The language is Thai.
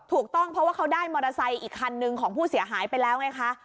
ถูกต้องเพราะว่าเขาได้มอเตอร์ไซค์อีกคันนึงของผู้เสียหายไปแล้วไงคะ